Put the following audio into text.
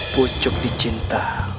pucuk di cinta